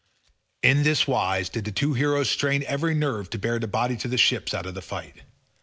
In this wise did the two heroes strain every nerve to bear the body to the ships out of the fight.